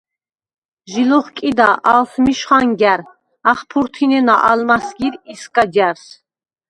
ჟი ლოხკიდა ალსმიშ ხანგა̈რ. ახფურთინენა ალმა̈სგირ ისგა ჯა̈რს.